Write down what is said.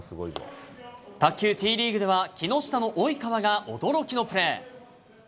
卓球Ｔリーグでは木下の及川が驚きのプレー。